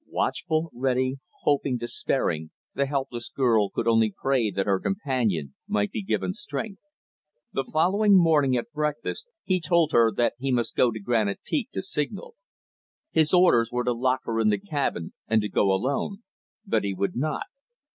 Watchful, ready, hoping, despairing, the helpless girl could only pray that her companion might be given strength. The following morning, at breakfast, he told her that he must go to Granite Peak to signal. His orders were to lock her in the cabin, and to go alone; but he would not.